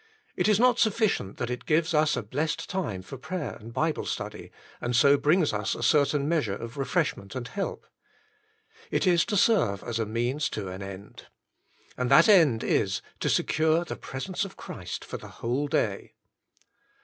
It is not sufficient that it gives us a blessed time for prayer and Bible study, and so brings us a certain measure of refreshment and Ihe Morning Hour n help. It is to serve as a means to an end. And that^nd is — ^to secure the presence of Christ for the whole day.